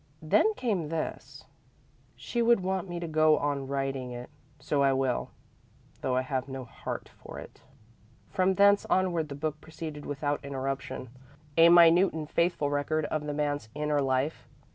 Then came this: "She would want me to go on writing it, so I will, though I have no heart for it." From thence onward the book proceeded without interruption, a minute and faithful record of the man's inner life.